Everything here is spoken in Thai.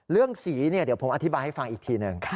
เรื่องสีเนี่ยเดี๋ยวผมอธิบายให้ฟังอีกทีหนึ่ง